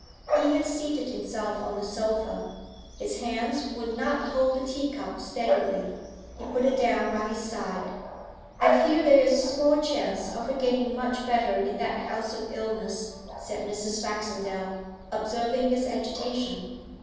He had seated himself on the sofa. His hands would not hold the tea cup steadily; he put it down by his side. 'I fear there is small chance of her getting much better in that house of illness,' said Mrs. Baxendale, observing his agitation.